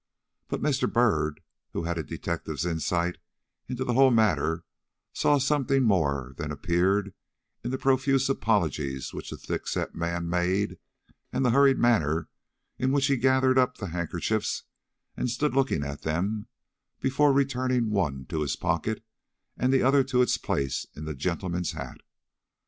But Mr. Byrd, who had a detective's insight into the whole matter, saw something more than appeared in the profuse apologies which the thick set man made, and the hurried manner in which he gathered up the handkerchiefs and stood looking at them before returning one to his pocket and the other to its place in the gentleman's hat.